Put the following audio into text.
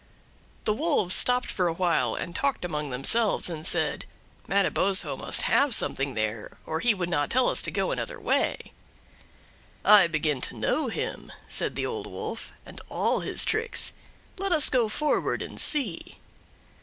The Wolves stopped for a while and talked among themselves, and said: "Manabozho must have something there, or he would not tell us to go another way." "I begin to know know him," said the Old Wolf, "and all his tricks. Let us go forward and see."